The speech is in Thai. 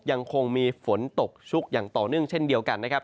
ยังคงมีฝนตกชุกอย่างต่อเนื่องเช่นเดียวกันนะครับ